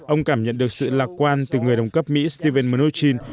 ông cảm nhận được sự lạc quan từ người đồng cấp mỹ steven mnuchin